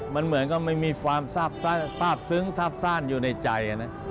มันเหมือนก็ไม่มีความทราบซึ้งทราบซ่านอยู่ในใจนะ